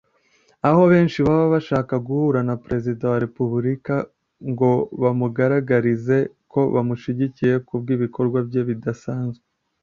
aho benshi baba bashaka guhura na Perezida wa Repubulika ngo bamugaragarize ko bamushyigikiye kubw’ ibikorwa bye bidasanzwe